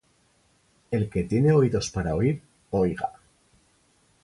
El que tiene oídos para oir, oiga.